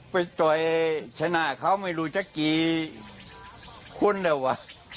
ไปต่อยชนะเขาไม่รู้จะกี่คนแล้วว่ะ